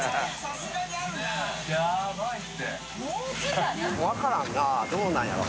社長）分からんなどうなんやろ？